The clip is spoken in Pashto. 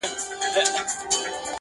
o له ښاره ووزه، له نرخه ئې نه٫